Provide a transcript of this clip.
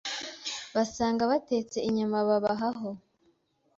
basanga batetse inyama babahaho